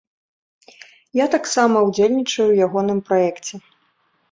Я таксама ўдзельнічаю ў ягоным праекце.